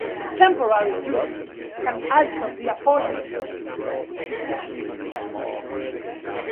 Temporary judges can also be appointed.